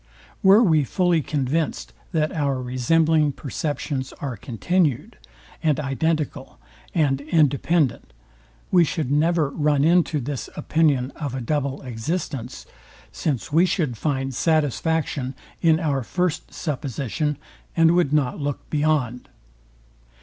Were we fully convinced, that our resembling perceptions are continued, and identical, and independent, we should never run into this opinion of a double existence, since we should find satisfaction in our first supposition, and would not look beyond.